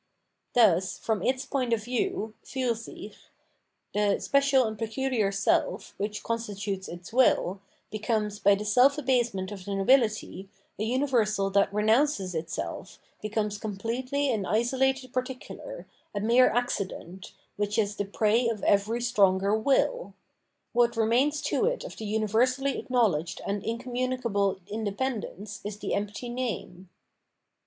Thus from its point of view (Fiirsich) the special and pecuhar self, which constitutes its wdU, becomes, by the self abasement of the nobihty, a universal that renounces itself, becomes completely an isolated particular, a mere accident, which is the prey of every stronger wiU. What remains to it of the universally acknowledged and incommunic able independence is the empty name.